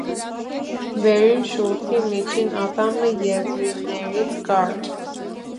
Վերին շուրթի միջի ատամը եզրիններից կարճ։